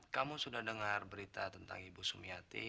kamu sudah dengar berita tentang ibu sumiati